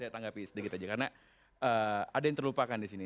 tapi sedikit saja karena ada yang terlupakan di sini